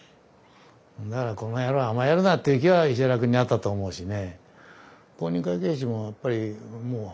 だからこの野郎甘えるな！っていう気は石原君にあったと思うしね。